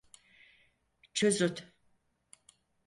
Çözün.